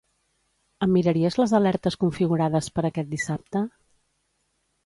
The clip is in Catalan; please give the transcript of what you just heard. Em miraries les alertes configurades per aquest dissabte?